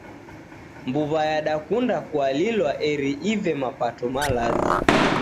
Mbuw'a yadakunda kualilwa eri ive mapato malazi.